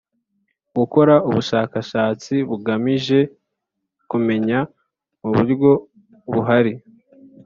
Gukora ubushakashatsi bugamije kumenya mu buryo buhari